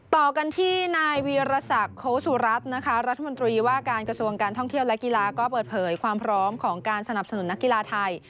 ต่อกันที่นายวีรศักดิ์โคสุรัตน์นะคะรัฐมนตรีว่าการกระทรวงการท่องเที่ยวและกีฬาก็เปิดเผยความพร้อมของการสนับสนุนนักกีฬาไทย